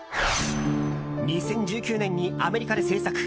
２０１９年にアメリカで制作。